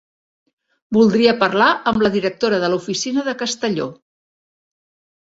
Voldria parlar amb la directora de l'oficina de Castelló.